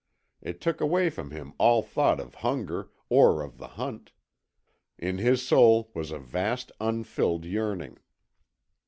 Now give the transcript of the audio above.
It took away from him all thought of hunger or of the hunt. In his soul was a vast, unfilled yearning.